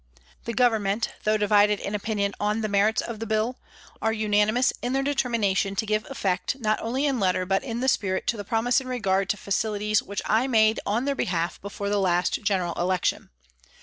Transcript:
" The Government, though divided in opinion on the merits of the Bill, are unanimous in their deter 318 PRISONS AND PRISONERS mination to give effect not only in the letter but in the spirit to the promise in regard to facilities which I made on their behalf before the last General Election.